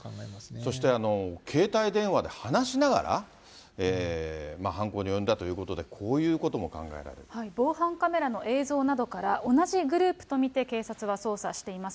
そして、携帯電話で話しながら犯行に及んだということで、こういうことも防犯カメラの映像などから、同じグループと見て警察は捜査しています。